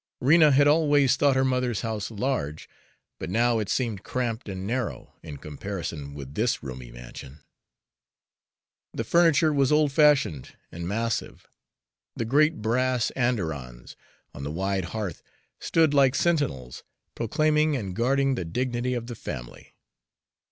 Rena had always thought her mother's house large, but now it seemed cramped and narrow, in comparison with this roomy mansion. The furniture was old fashioned and massive. The great brass andirons on the wide hearth stood like sentinels proclaiming and guarding the dignity of the family.